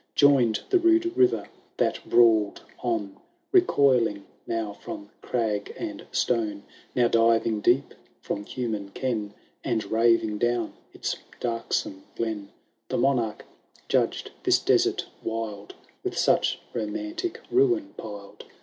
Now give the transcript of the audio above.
Joined the rude river that brawPd on. Recoiling now from crag and sUme, Now diving deep from human kmi. And mving down its darksome glen. The Monarch judged this desert wild, . With such romantic ruin piled.